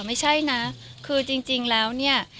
ไม่ใช่นะคือจริงแล้วเนี่ย